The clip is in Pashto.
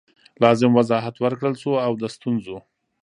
لازم وضاحت ورکړل سو او د ستونزو